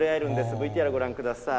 ＶＴＲご覧ください。